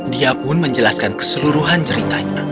dia pun menjelaskan keseluruhan ceritanya